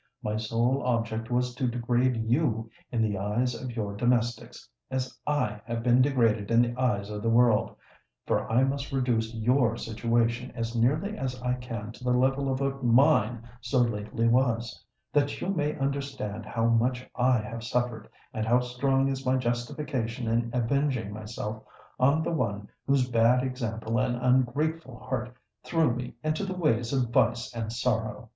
My sole object was to degrade you in the eyes of your domestics, as I have been degraded in the eyes of the world; for I must reduce your situation as nearly as I can to the level of what mine so lately was—that you may understand how much I have suffered, and how strong is my justification in avenging myself on the one whose bad example and ungrateful heart threw me into the ways of vice and sorrow."